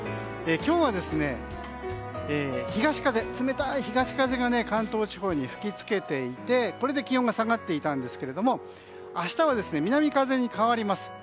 今日は、冷たい東風が関東地方に吹き付けていてこれで気温が下がっていたんですが明日は、南風に変わります。